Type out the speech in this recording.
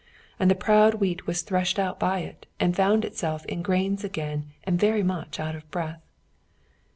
And the proud wheat was threshed out by it, and found itself in grains again and very much out of breath.